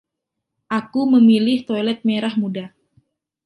aku memilih toilet merah muda.